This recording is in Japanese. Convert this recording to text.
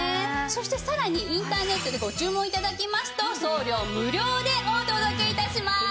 そしてさらにインターネットでご注文頂きますと送料無料でお届け致します！